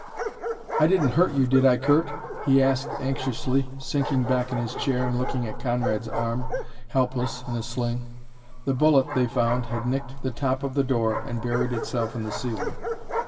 "I didn't hurt you, did I, Curt?" he asked anxiously, sinking back in his chair and looking at Conrad's arm, helpless in a sling. The bullet, they found, had nicked the top of the door and buried itself in the ceiling.